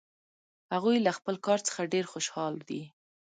هغوی له خپل کار څخه ډېر خوشحال دي